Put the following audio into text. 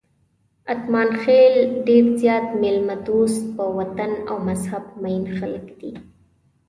اتمانخېل ډېر زیات میلمه دوست، په وطن او مذهب مېین خلک دي.